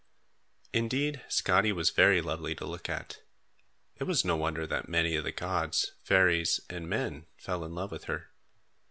Indeed Skadi was very lovely to look at. It was no wonder that many of the gods, fairies and men fell in love with her.